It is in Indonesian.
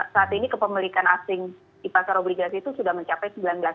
saat ini kepemilikan asing di pasar obligasi itu sudah mencapai sembilan belas